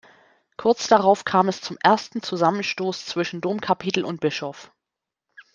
Kurz darauf kam es zum ersten Zusammenstoß zwischen Domkapitel und Bischof.